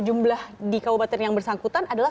jumlah di kabupaten yang bersangkutan adalah